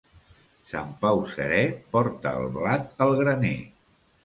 Sant Pau serè porta el blat al graner.